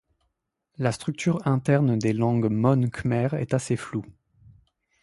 La structure interne des langues môn-khmer est assez floue.